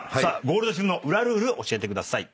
ゴールドジムの裏ルール教えてください。